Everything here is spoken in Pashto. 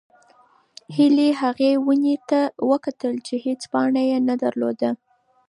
هیلې هغې ونې ته وکتل چې هېڅ پاڼه یې نه درلوده.